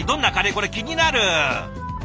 これ気になる！